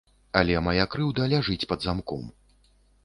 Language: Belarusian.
Але мая крыўда ляжыць пад замком.